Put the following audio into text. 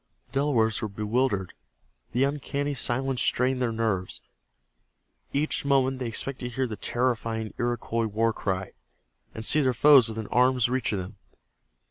The Delawares were bewildered. The uncanny silence strained their nerves. Each moment they expected to hear the terrifying Iroquois war cry, and see their foes within arm's reach of them.